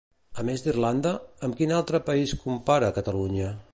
A més d'Irlanda, amb quin altre país compara Catalunya?